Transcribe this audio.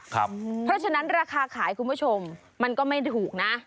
เพราะฉะนั้นราคาขายคุณผู้ชมมันก็ไม่ถูกนะ